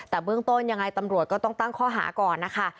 แต่เบื้องต้นยังไงตำรวจก็ต้องตั้งข้อหาก่อนนะคะ